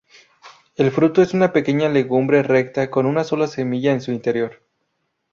El fruto es una pequeña legumbre recta con una sola semilla en su interior.